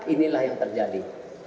inilah yang terjadi